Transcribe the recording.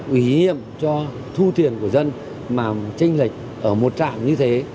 ủy nhiệm cho thu tiền của dân mà tranh lệch ở một trạm như thế